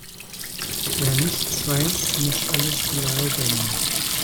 Wer nichts weiß, muss alles glauben.